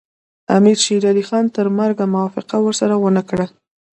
امیر شېر علي خان تر مرګه موافقه ورسره ونه کړه.